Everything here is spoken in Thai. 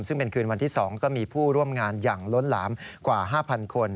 ซึ่งเป็นคืนวันที่๒ก็มีผู้ร่วมงานอย่างล้นหลามกว่า๕๐๐คน